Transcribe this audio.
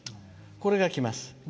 これがきます。